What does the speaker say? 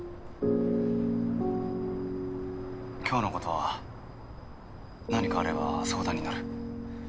今日のことは何かあれば相談に乗る。